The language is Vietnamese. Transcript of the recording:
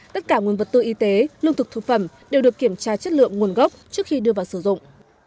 tất cả nguồn vật tư y tế lương thực thực phẩm đều được kiểm tra chất lượng nguồn gốc trước khi đưa vào sử dụng